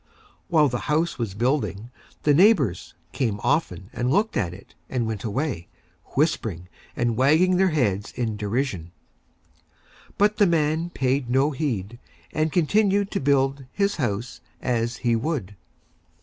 While the House was Building, the Neighbors came often and Looked at it, and went away, Whispering and Wagging their Heads in Derision. But the Man paid no Heed, and continued to build his House as he Would.